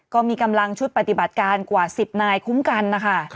ก็มีกำลังชุดปฏิบัติการกว่า๑๐นายคุ้มกันนะคะ